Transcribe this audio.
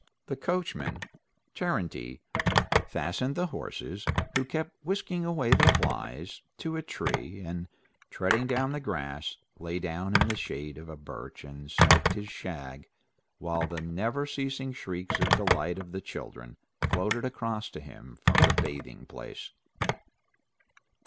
The coachman, Terenty, fastened the horses, who kept whisking away the flies, to a tree, and, treading down the grass, lay down in the shade of a birch and smoked his shag, while the never ceasing shrieks of delight of the children floated across to him from the bathing place.